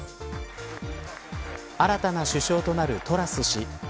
新たな首相となるトラス氏。